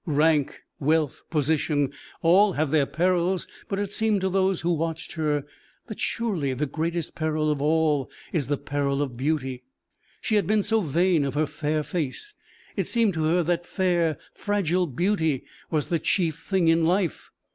Rank, wealth, position, all have their perils, but it seemed to those who watched her that surely the greatest peril of all is the peril of beauty. She had been so vain of her fair face; it seemed to her that fair, fragile beauty was the chief thing in life.